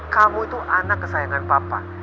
kamu itu anak kesayangan papa